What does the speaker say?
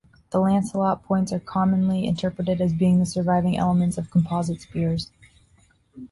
The lanceolate points are commonly interpreted as being the surviving elements of composite spears.